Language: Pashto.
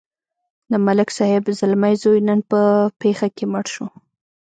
د ملک صاحب زلمی زوی نن په پېښه کې مړ شو.